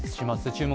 「注目！